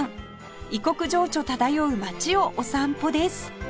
異国情緒漂う街をお散歩です